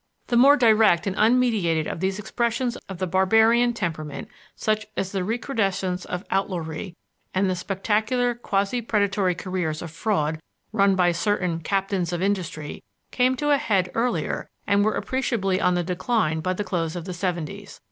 The more direct and unmediated of these expressions of the barbarian temperament, such as the recrudescence of outlawry and the spectacular quasi predatory careers of fraud run by certain "captains of industry", came to a head earlier and were appreciably on the decline by the close of the seventies.